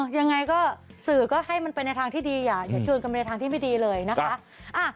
ยังไงก็สื่อก็ให้มันไปในทางที่ดีอย่าชวนกันไปในทางที่ไม่ดีเลยนะคะ